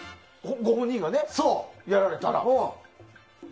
ご本人がね、やられたら。